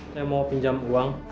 saya mau pinjam uang